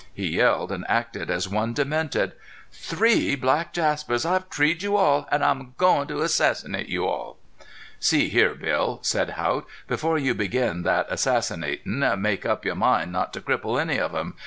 He yelled and acted as one demented. "Three black Jaspers! I've treed you all. An' I'm agoin' to assassinate you all!" "See here, Bill," said Haught, "before you begin that assassinatin' make up your mind not to cripple any of them.